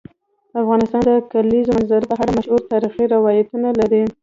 افغانستان د د کلیزو منظره په اړه مشهور تاریخی روایتونه لري.